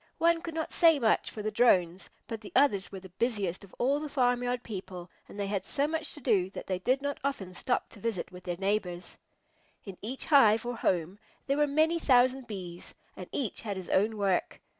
One could not say much for the Drones, but the others were the busiest of all the farmyard people, and they had so much to do that they did not often stop to visit with their neighbors. In each hive, or home, there were many thousand Bees, and each had his own work.